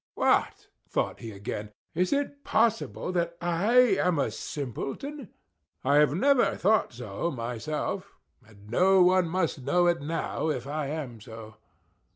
"What!" thought he again. "Is it possible that I am a simpleton? I have never thought so myself; and no one must know it now if I am so.